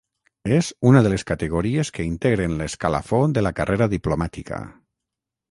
És una de les categories que integren l'escalafó de la carrera diplomàtica.